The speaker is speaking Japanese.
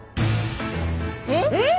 えっ？